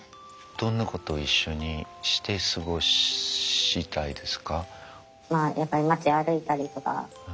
どんなことを一緒にして過ごしたいですか？